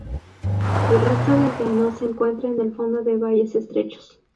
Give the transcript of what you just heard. El resto de llanos se encuentra en el fondo de valles estrechos.